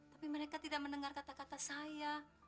tapi mereka tidak mendengar kata kata saya